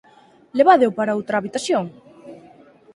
¡Levádeo para outra habitación!